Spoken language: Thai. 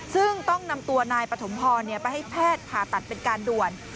ซึ่งต้องนำตัวนายปฐมพรไปให้แพทย์ผ่าตัดเป็นการด่วน